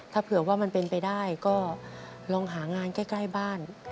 ถ้าเผื่อว่ามันเป็นไปได้ก็ลองหางานใกล้บ้าน